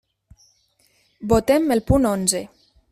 Votem el punt onze.